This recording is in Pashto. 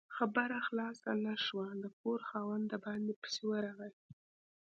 خبره خلاصه نه شوه، د کور خاوند د باندې پسې ورغی